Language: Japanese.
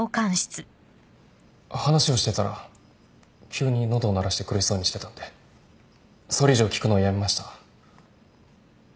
話をしてたら急に喉を鳴らして苦しそうにしてたんでそれ以上聞くのをやめました。